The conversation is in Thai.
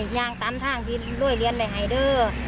ไม่ทำท่องเลยเรียนไว้ให้เด้อ